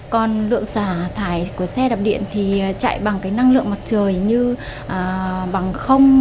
còn lượng giả thải của xe đập điện thì chạy bằng năng lượng mặt trời như bằng không